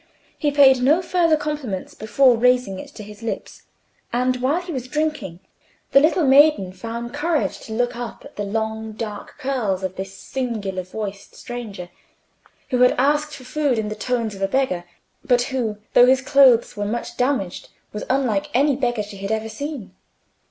He paid no further compliments before raising it to his lips, and while he was drinking, the little maiden found courage to look up at the long dark curls of this singular voiced stranger, who had asked for food in the tones of a beggar, but who, though his clothes were much damaged, was unlike any beggar she had ever seen.